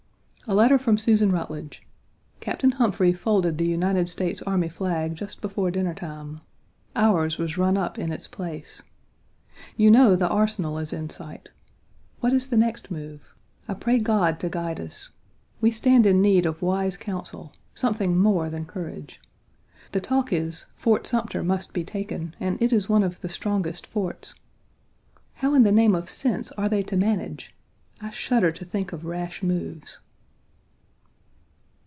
A letter from Susan Rutledge: "Captain Humphrey folded the United States Army flag just before dinnertime. Ours was run up in its place. You know the Arsenal is in sight. What is the next move? I pray God to guide us. We stand in need of wise counsel; something more than courage. The talk is: 'Fort Sumter must be taken; and it is one of the strongest forts.' How in the name of sense are they to manage? I shudder to think of rash moves."